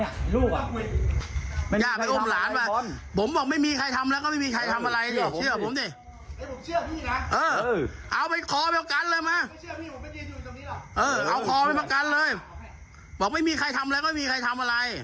ผมเชื่อพี่นะเอาไปคอเป็นประกันเลยมาเอาคอเป็นประกันเลยบอกไม่มีใครทำแล้วก็ไม่มีใครทำอะไร